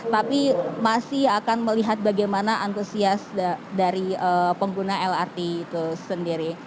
tapi masih akan melihat bagaimana antusias dari pengguna lrt itu sendiri